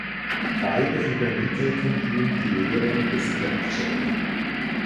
Beide übermittelten ihm die Lehren des Dzogchen.